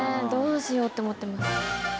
どうしよう？って思ってます。